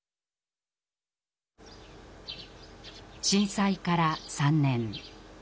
震災から３年。